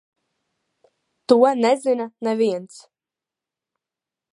To nezina neviens.